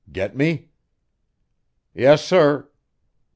Get me?" "Yes, sir."